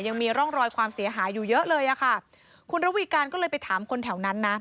ยังมีร่องรอยความเสียหายอยู่เยอะเลยอ่ะค่ะคุณระวีการก็เลยไปถามคนแถวนั้นนะ